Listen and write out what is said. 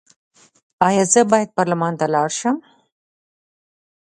ایا زه باید پارلمان ته لاړ شم؟